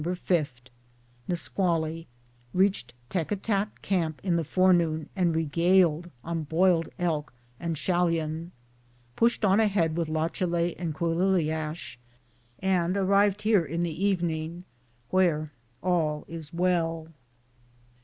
5. Nusqually. Reached Tekatat camp in the forenoon and regaled on boiled elk and shallon. Pushed on ahead with Lachalet and Quilliliash, and arrived here in the evening, where all is well.